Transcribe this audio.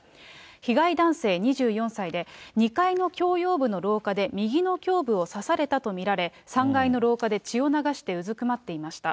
被害男性２４歳で、２階の共用部の廊下で右の胸部を刺されたと見られ、３階の廊下で血を流してうずくまっていました。